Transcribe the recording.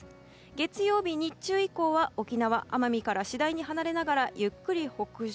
月曜日、日中以降は沖縄、奄美から次第に離れながらゆっくり北上。